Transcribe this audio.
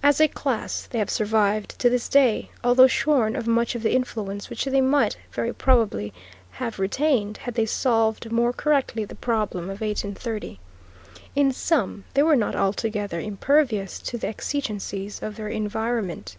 As a class they have survived to this day, although shorn of much of the influence which they might very probably have retained had they solved more correctly the problem of 1830. In sum, they were not altogether impervious to the exigencies of their environment.